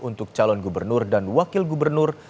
untuk calon gubernur dan wakil gubernur